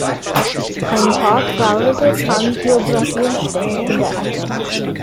Ein paar traurige Trans-Biografien stehen in der Ecke.